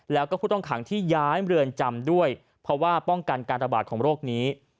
แล้วก็ผู้ต้องขังที่ย้ายเมืองจำด้วยเพราะว่าป้องกันการระบาดของโรคนี้